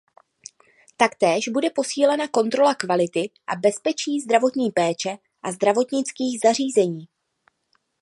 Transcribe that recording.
Taktéž bude posílena kontrola kvality a bezpečí zdravotní péče a zdravotnických zařízení.